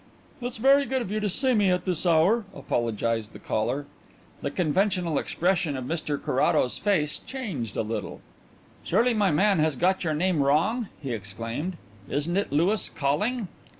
"It's very good of you to see me at this hour," apologized the caller. The conventional expression of Mr Carrados's face changed a little. "Surely my man has got your name wrong?" he exclaimed. "Isn't it Louis Calling?"